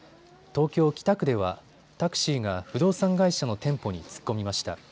東京北区ではタクシーが不動産会社の店舗に突っ込みました。